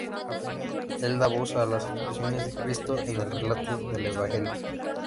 Él da voz a las expresiones de Cristo en el relato del Evangelio.